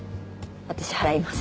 私払います。